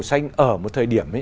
màu xanh ở một thời điểm